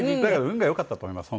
運が良かったと思います